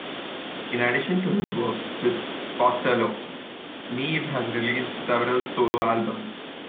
In addition to his work with Costello, Nieve has released several solo albums.